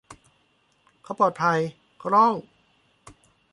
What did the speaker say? เขาปลอดภัย เขาร้อง